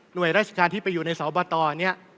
โดยราชการที่ไปอยู่ในสบตเนี่ย